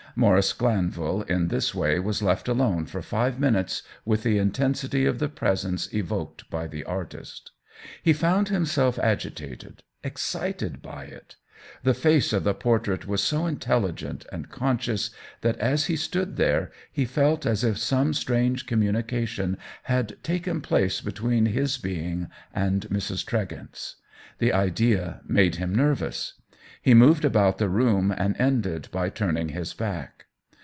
Maurice Glan vil in this way was left alone for five min utes with the intensity of the presence evoked by the artist. He found himself agitated, excited by it ; the face of the por trait was so intelligent and conscious that as he stood there he felt as if some strange communication had taken place between his being and Mrs. Tregent's. The idea made him nervous ; he moved about the room and ended by turning his back.